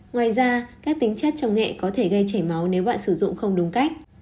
ngoài ra các tính chất trong nghệ có thể gây chảy máu nếu bạn sử dụng không đúng cách